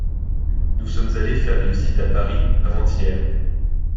Nous sommes allées faire des visites à Paris, avant-hier.